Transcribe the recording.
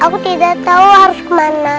aku tidak tahu harus kemana